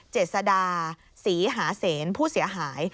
เจษดาศรีหาเสนผู้เสียหาย